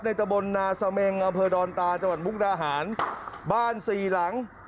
ตะบนนาเสมงอำเภอดอนตาจังหวัดมุกดาหารบ้านสี่หลัง